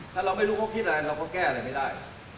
ถ้าเราไม่รู้เขาคิดอะไรเราก็แก้อะไรไม่ได้